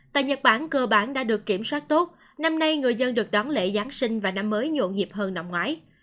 tại nhật bản cơ bản đã được kiểm soát tốt năm nay người dân được đón lễ giáng sinh và năm mới nhộn nhịp hơn năm ngoái